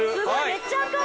めっちゃ赤い。